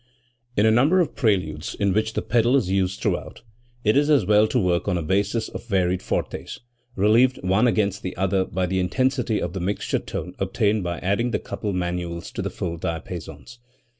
In a number of preludes in which the pedal is used throughout, it is as well to work on a basis of varied fortes, relieved one against the other by the intensity of the mixture tone obtained by adding the coupled manuals to the full diapasons.